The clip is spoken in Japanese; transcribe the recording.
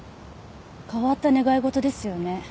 変わった願い事ですよね。